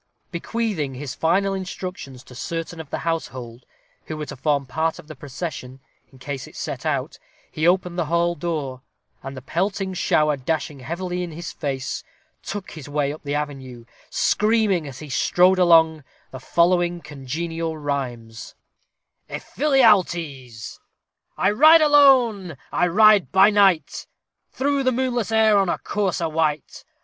Bequeathing his final instructions to certain of the household who were to form part of the procession, in case it set out, he opened the hall door, and, the pelting shower dashing heavily in his face, took his way up the avenue, screaming, as he strode along, the following congenial rhymes: EPHIALTES I ride alone I ride by night Through the moonless air on a courser white!